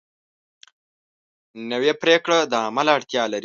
نوې پریکړه د عمل اړتیا لري